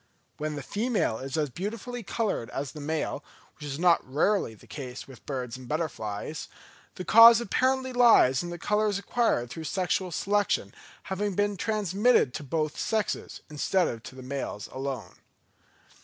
When the female is as beautifully coloured as the male, which is not rarely the case with birds and butterflies, the cause apparently lies in the colours acquired through sexual selection having been transmitted to both sexes, instead of to the males alone.